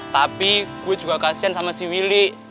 tapi gue juga kasian sama si willy